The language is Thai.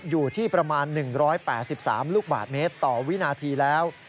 อยู่ที่ประมาณ๑๘๓ลูกบาทเมตรต่อวินาทีแล้ว